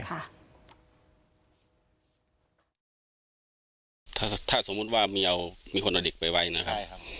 ถ้าสมมุติว่ามีคนเอาเด็กไปไว้นะครับ